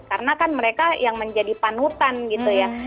karena kan mereka yang menjadi panutan gitu ya